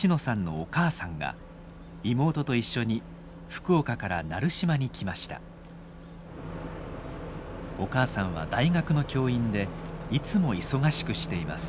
お母さんは大学の教員でいつも忙しくしています。